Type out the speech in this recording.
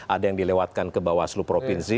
ada yang dilewatkan ke bawah aslo provinsi